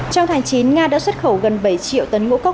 trong tháng chín nga đã xuất khẩu gần bảy triệu tấn ngũ cốc